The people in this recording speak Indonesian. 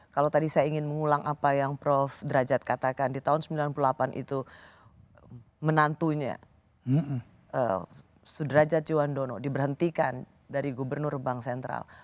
kalau tadi saya ingin mengulang apa yang prof derajat katakan di tahun sembilan puluh delapan itu menantunya sudrajat juandono diberhentikan dari gubernur bank sentral